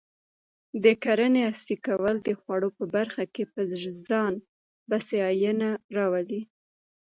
د کرنې عصري کول د خوړو په برخه کې پر ځان بسیاینه راولي.